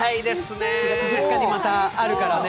４月２日にまたあるからね。